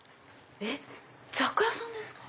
雑貨屋さんですか？